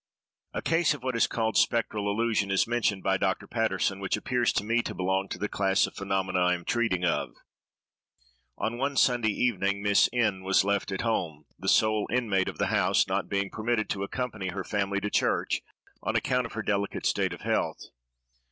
A case of what is called spectral illusion is mentioned by Dr. Paterson, which appears to me to belong to the class of phenomena I am treating of. One Sunday evening, Miss N—— was left at home, the sole inmate of the house, not being permitted to accompany her family to church on account of her delicate state of health.